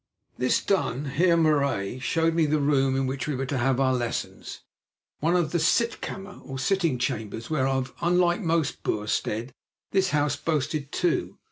This done, the Heer Marais showed me the room in which we were to have our lessons, one of the sitkammer, or sitting chambers, whereof, unlike most Boer steads, this house boasted two.